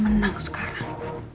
rasa menang sekarang